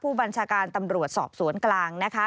ผู้บัญชาการตำรวจสอบสวนกลางนะคะ